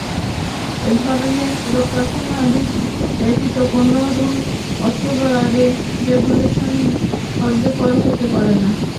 এধরনের প্রকাশনা ব্যতীত কোনো রুল অথবা রেগুলেশন কার্যকর হতে পারে না।